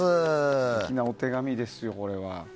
素敵なお手紙ですよ、これは。